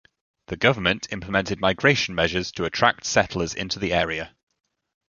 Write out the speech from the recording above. The government implemented migration measures to attract settlers into the area.